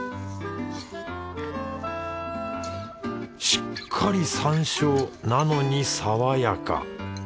しっかり山椒なのに爽やか。